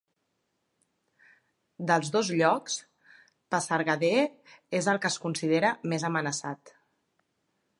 Dels dos llocs, Pasargadae és el que es considera més amenaçat.